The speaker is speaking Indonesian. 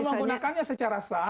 kalau menggunakannya secara sah